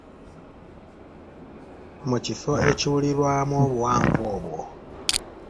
Mu kifo ekiwulirwamu obuwanvu obwo.